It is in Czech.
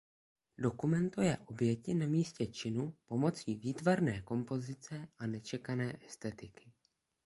Dokumentuje oběti na místě činu pomocí výtvarné kompozice a nečekané estetiky.